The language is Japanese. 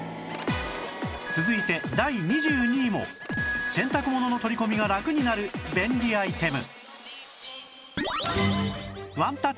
続いて第２２位も洗濯物の取り込みがラクになる便利アイテム